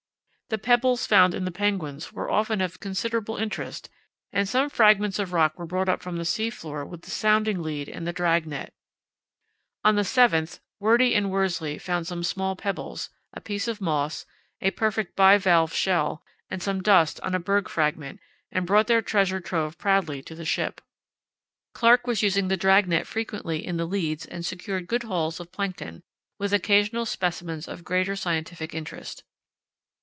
The pebbles found in the penguins were often of considerable interest, and some fragments of rock were brought up from the sea floor with the sounding lead and the drag net. On the 7th Wordie and Worsley found some small pebbles, a piece of moss, a perfect bivalve shell, and some dust on a berg fragment, and brought their treasure trove proudly to the ship. Clark was using the drag net frequently in the leads and secured good hauls of plankton, with occasional specimens of greater scientific interest.